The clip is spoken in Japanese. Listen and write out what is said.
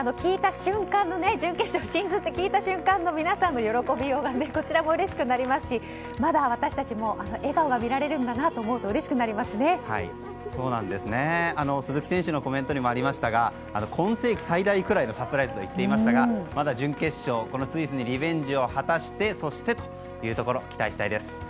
準決勝進出って聞いた瞬間の皆さんの喜びようがこちらもうれしくなりますしまだ私たちもあの笑顔が見られると思うと鈴木選手のコメントにもありましたが今世紀最大くらいのサプライズと言っていましたがまだ準決勝このスイスにリベンジを果たしてそしてというところ期待したいです。